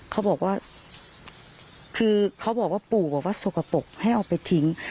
เขาบอกว่าคือเขาบอกว่าปู่บอกว่าสกปรกให้เอาไปทิ้ง